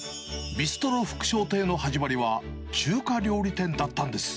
ビストロ福昇亭の始まりは、中華料理店だったんです。